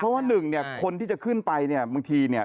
เพราะว่าหนึ่งเนี่ยคนที่จะขึ้นไปเนี่ยบางทีเนี่ย